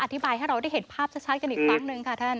อธิบายให้เราได้เห็นภาพชัดกันอีกครั้งหนึ่งค่ะท่าน